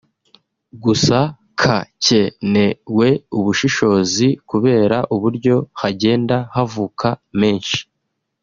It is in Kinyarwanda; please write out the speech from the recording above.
gusa kakenewe ubushishozi kubera uburyo hagenda havuka menshi